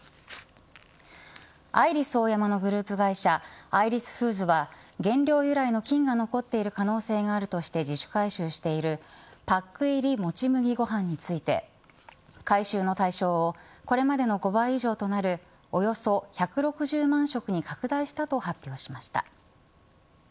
アイリスオーヤマのグループ会社アイリスフーズは原料由来の菌が残っている可能性があるとして自主回収しているパック入りもち麦ごはんについて回収の対象をこれまでの５倍以上となるおよそ１６０万食に拡大したと発表しました。